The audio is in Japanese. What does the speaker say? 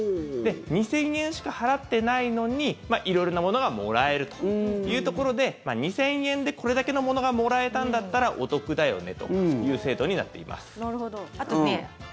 ２０００円しか払ってないのに色々なものがもらえるというところで２０００円でこれだけのものがもらえたんだったらお得だよねという制度になっています。